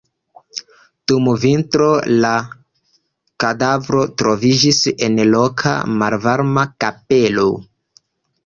Dum vintro la kadavro troviĝis en loka malvarma kapelo.